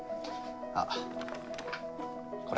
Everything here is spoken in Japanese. あっこれ。